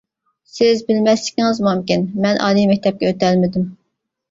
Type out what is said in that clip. سىز بىلمەسلىكىڭىز مۇمكىن، مەن ئالىي مەكتەپكە ئۆتەلمىدىم.